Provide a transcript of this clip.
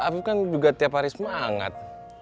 aku kan juga tiap hari semangat